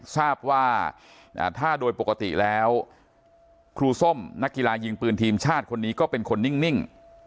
ทราบว่าถ้าโดยปกติแล้วครูส้มนักกีฬายิงปืนทีมชาติคนนี้ก็เป็นคนนิ่ง